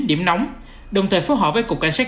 điểm nóng đồng thời phối hợp với cục cảnh sát